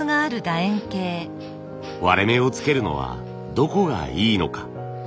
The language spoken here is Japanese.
割れ目を付けるのはどこがいいのか。